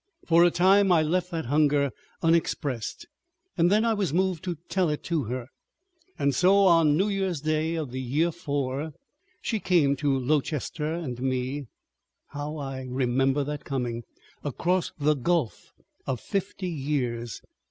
For a time I left that hunger unexpressed, and then I was moved to tell it to her. And so on New Year's Day in the Year Four, she came to Lowchester and me. How I remember that coming, across the gulf of fifty years!